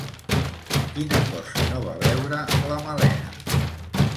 Quina cosa no va veure la Malena?